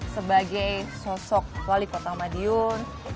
sebagai sosok wali kota madiun